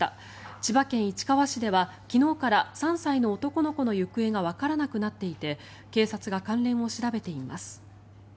千葉県市川市では昨日から３歳の男の子の行方がわからなくなっていて警察が関連を調べています。